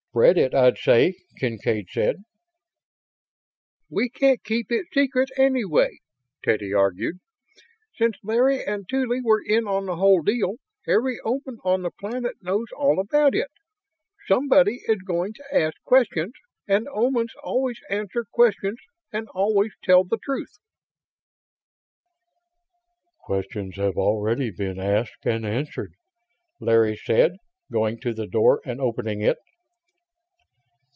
"Spread it, I'd say," Kincaid said. "We can't keep it secret, anyway," Teddy argued. "Since Larry and Tuly were in on the whole deal, every Oman on the planet knows all about it. Somebody is going to ask questions, and Omans always answer questions and always tell the truth." "Questions have already been asked and answered," Larry said, going to the door and opening it.